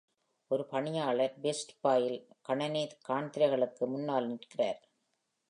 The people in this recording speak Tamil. ஒரு பணியாளர் பெஸ்ட் பையில் கணினி காண்திரைகளுக்கு முன்னால் நிற்கிறார்.